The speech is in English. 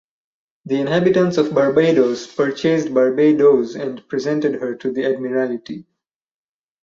The inhabitants of Barbados purchased "Barbadoes" and presented her to the Admiralty.